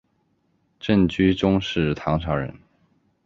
郑居中是唐朝人。